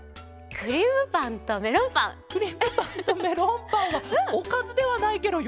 クリームパンとメロンパンはおかずではないケロよ。